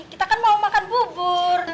kita kan mau makan bubur